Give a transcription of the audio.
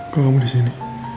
kok kamu disini